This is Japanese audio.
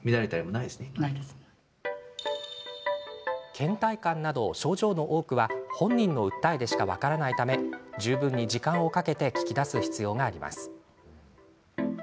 けん怠感など症状の多くは本人の訴えでしか分からないため十分に時間をかけて聞き出す必要があります。